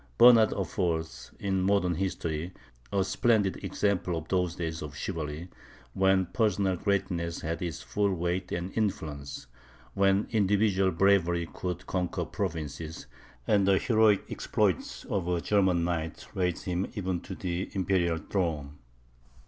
Bernard affords, in modern history, a splendid example of those days of chivalry, when personal greatness had its full weight and influence, when individual bravery could conquer provinces, and the heroic exploits of a German knight raised him even to the Imperial throne.